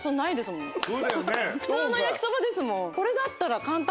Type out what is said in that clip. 普通の焼きそばですもん。